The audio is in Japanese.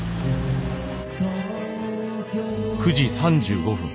９時３５分。